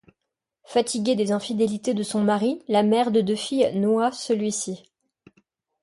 Fatiguée des infidélités de son mari, la mère de deux filles noie celui-ci.